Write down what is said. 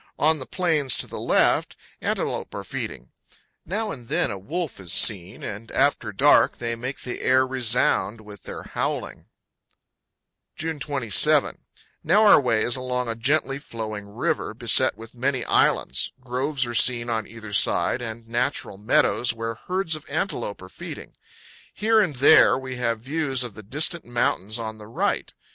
On the plains to the left, antelope are feeding. Now and then a wolf is seen, and after dark they make the air resound with their howling. June 27. Now our way is along a gently flowing river, beset with powell canyons 123.jpg INDIAN LODGE IN THE UINTA VALLEY. many islands; groves are seen on either side, and natural meadows, where herds of antelope are feeding. Here and there we have views of the distant mountains on the right.